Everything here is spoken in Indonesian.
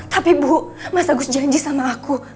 tapi bu mas agus janji sama aku